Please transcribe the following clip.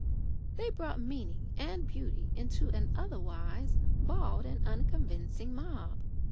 They brought meaning and beauty into an otherwise bald and unconvincing mob.